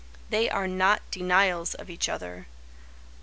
They are not denials of each other.